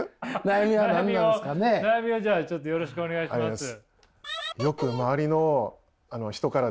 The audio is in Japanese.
悩みをじゃあちょっとよろしくお願いします。